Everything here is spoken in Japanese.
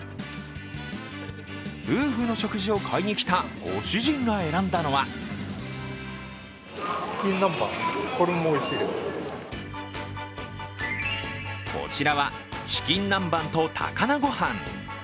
夫婦の食事を買いに来たご主人が選んだのはこちらはチキン南蛮と高菜ごはん。